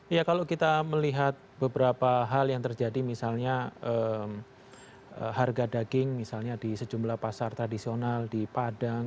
ya kalau kita melihat beberapa hal yang terjadi misalnya harga daging misalnya di sejumlah pasar tradisional di padang